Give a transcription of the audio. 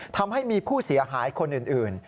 ทำให้มีผู้เสียหายคนอื่น